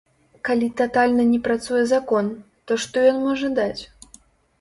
Калі татальна не працуе закон, то што ён можа даць?